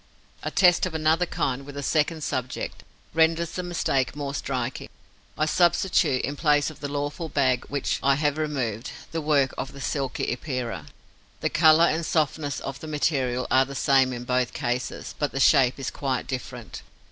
A test of another kind, with a second subject, renders the mistake more striking. I substitute, in the place of the lawful bag which I have removed, the work of the Silky Epeira. The colour and softness of the material are the same in both cases; but the shape is quite different.